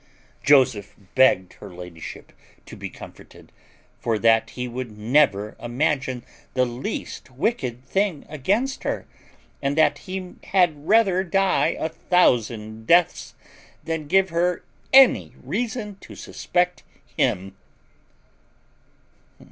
Joseph begged her ladyship to be comforted; for that he would never imagine the least wicked thing against her, and that he had rather die a thousand deaths than give her any reason to suspect him.